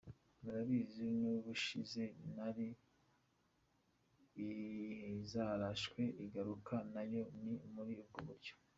Murabizi n’ubushize hari izarashwe iyagaruka nayo ni muri ubwo buryo.